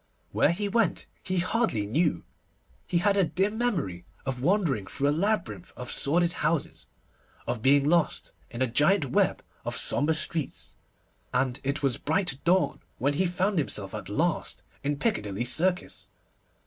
Where he went he hardly knew. He had a dim memory of wandering through a labyrinth of sordid houses, of being lost in a giant web of sombre streets, and it was bright dawn when he found himself at last in Piccadilly Circus.